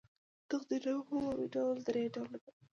تقدیرنامه په عمومي ډول درې ډوله ده.